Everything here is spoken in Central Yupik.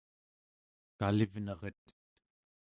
kalivneret